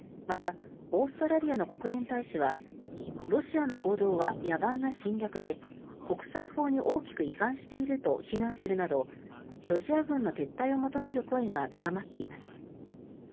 またオーストラリアの国連大使はロシアの行動は野蛮な侵略で国際法に大きく違反していると非難するなどロシア軍の撤退を求める声が高まっています。